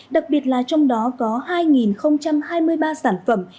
đặc biệt là trong đó có hai hai mươi ba sản phẩm tượng linh vật mèo